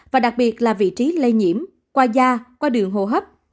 và đặc biệt là vị trí lây nhiễm qua da qua đường hô hấp